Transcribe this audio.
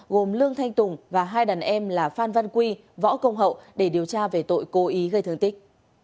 gồm lương thanh tùng và hai đàn em là phan văn quy võ công hậu để điều tra về tội cố ý gây thương tích